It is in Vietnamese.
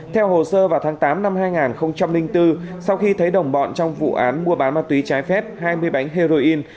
theo hồ sơ vào tháng tám năm hai nghìn bốn sau khi thấy đồng bọn trong vụ án mua bán ma túy trái phép hai mươi bánh heroin